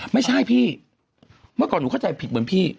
ไม่ใช่พี่เมื่อก่อนหนูเข้าใจผิดเหมือนพี่